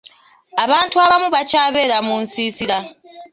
Abantu abamu bakyabeera mu nsiisira